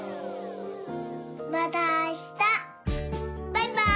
バイバーイ。